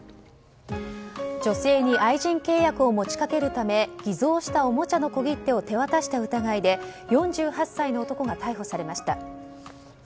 女性に愛人契約を持ち掛けるため偽造したおもちゃの小切手を手渡した疑いで４８歳の男が逮捕されました。